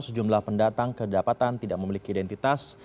sejumlah pendatang kedapatan tidak memiliki identitas